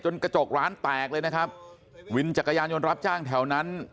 กระจกร้านแตกเลยนะครับวินจักรยานยนต์รับจ้างแถวนั้น